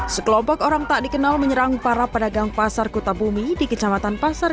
sekelompok orang tak dikenal menyerang para pedagang pasar kota bumi di kecamatan pasar